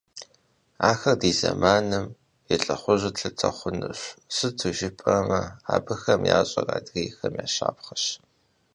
Ахэр ди зэманым и лӏыхъужьу тлъытэ хъунущ, сыту жыпӏэмэ, абыхэм ящӏэр адрейхэм я щапхъэщ.